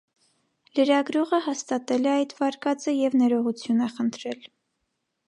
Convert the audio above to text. Լրագրողը հաստատել է այդ վարկածը և ներողություն է խնդրել։